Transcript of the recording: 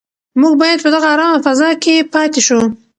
موږ باید په دغه ارامه فضا کې پاتې شو.